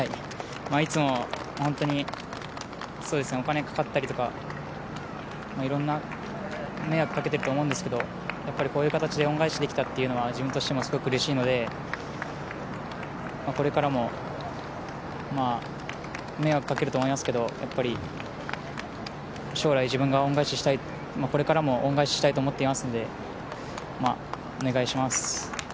いつも、本当にお金かかったりとか色んな迷惑をかけたりしていると思うんですがこういう形で恩返しできたというのは自分としてもすごくうれしいのでこれからも迷惑をかけると思いますけど将来、自分がこれからも恩返ししたいと思っていますのでお願いします。